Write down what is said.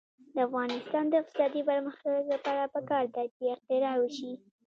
د افغانستان د اقتصادي پرمختګ لپاره پکار ده چې اختراع وشي.